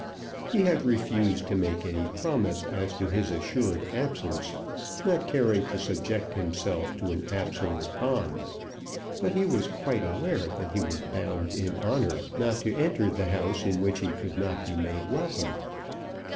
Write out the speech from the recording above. He had refused to make any promise as to his assured absence, not caring to subject himself to an absolute bond; but he was quite aware that he was bound in honour not to enter the house in which he could not be made welcome.